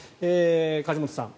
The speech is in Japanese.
梶本さん